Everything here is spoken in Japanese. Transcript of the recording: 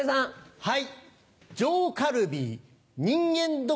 はい。